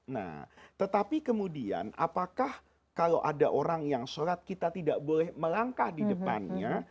nah tetapi kemudian apakah kalau ada orang yang sholat kita tidak boleh melangkah di depannya